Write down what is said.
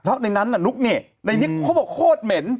เพราะในนั้นน่ะนุ๊กนี่ในนิกเขาบอกโคตรเหม็น